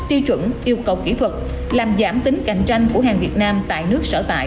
tiêu chuẩn yêu cầu kỹ thuật làm giảm tính cạnh tranh của hàng việt nam tại nước sở tại